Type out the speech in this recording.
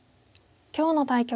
今日の対局